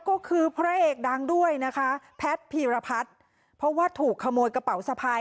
ก็คือพระเอกดังด้วยนะคะแพทย์พีรพัฒน์เพราะว่าถูกขโมยกระเป๋าสะพาย